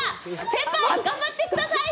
先輩、頑張ってください！